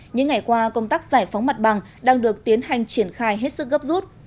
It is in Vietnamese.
những ngày qua công tác giải phóng mặt bằng đang được tiến hành triển khai hết sức gấp rút